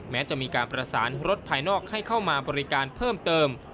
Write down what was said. แม้จะมีการประสานรถภายนอกให้เข้ามาบริการเพิ่มเติม